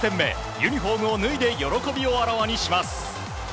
ユニホームを脱いで喜びをあらわにします。